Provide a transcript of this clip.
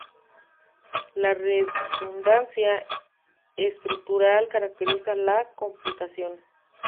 La redundancia estructural caracteriza la "complicación".